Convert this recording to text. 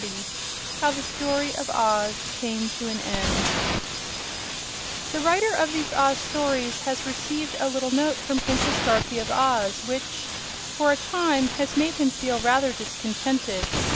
30. How the Story of Oz Came to an End The writer of these Oz stories has received a little note from Princess Dorothy of Oz which, for a time, has made him feel rather disconcerted.